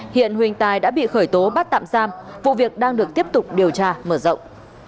hiện huỳnh tài đã bị khởi tố bắt tạm giam vụ việc đang được tiếp tục điều tra mở rộng